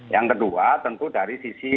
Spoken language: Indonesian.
yang kedua tentu dari sisi